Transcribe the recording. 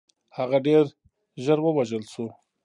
هغه ډېر ژر ووژل شو.